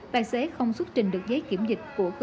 tài xế không xuất trình được giấy kiểm dịch của cơ sở